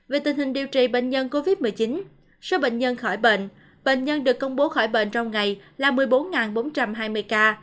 về tình hình điều trị bệnh nhân covid một mươi chín số bệnh nhân khỏi bệnh bệnh nhân được công bố khỏi bệnh trong ngày là một mươi bốn bốn trăm hai mươi ca